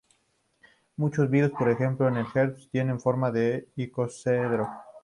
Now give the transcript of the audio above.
Muchos virus, por ejemplo el herpes, tienen la forma de un icosaedro.